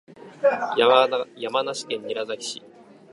山梨県韮崎市